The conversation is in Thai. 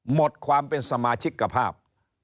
หมดความเป็นสมาชิกภาพ